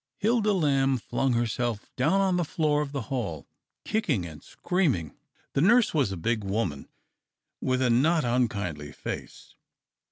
Hilda Lamb flung herself down on the floor of the hall, kicking and screaming. The nurse was a big woman, with a not un kindly face.